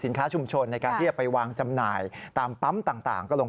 ค้าชุมชนในการที่จะไปวางจำหน่ายตามปั๊มต่างก็ลง